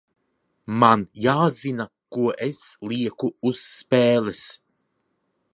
Man jāzina, ko es lieku uz spēles.